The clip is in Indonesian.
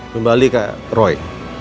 kembali ke roy